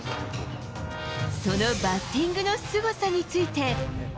そのバッティングのすごさについて。